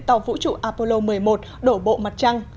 tàu vũ trụ apollo một mươi một đổ bộ mặt trăng